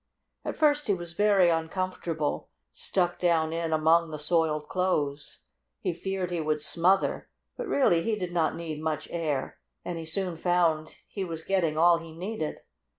At first he was very uncomfortable, stuck down in among the soiled clothes. He feared he would smother; but really he did not need much air, and he soon found he was getting all he needed.